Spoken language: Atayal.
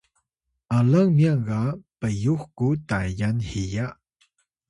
alang myan ga pyux ku Tayan hiya